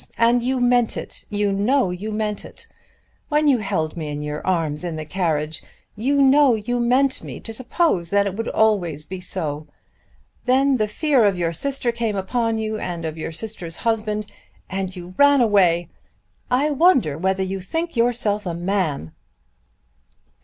And you meant it. You know you meant it. When you held me in your arms in the carriage you know you meant me to suppose that it would always be so. Then the fear of your sister came upon you, and of your sister's husband, and you ran away! I wonder whether you think yourself a man!"